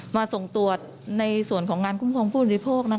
มาส่งตรวจในส่วนของงานคุ้มครองผู้บริโภค